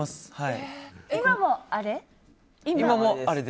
今もあれ？